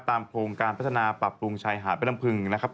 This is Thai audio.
โครงการพัฒนาปรับปรุงชายหาดแม่น้ำพึงนะครับ